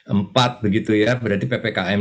empat begitu ya berarti ppkm